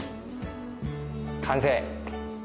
完成。